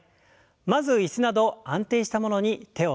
まず椅子など安定したものに手を添えましょう。